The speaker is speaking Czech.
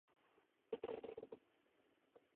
To je zločin proti civilizaci!